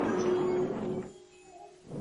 په سل ګونو یې ترې جوړ کړل قفسونه!.